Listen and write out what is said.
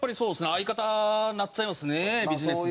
相方になっちゃいますねビジネスで。